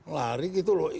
lari gitu loh